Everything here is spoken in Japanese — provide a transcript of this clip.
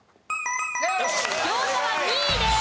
餃子は２位です。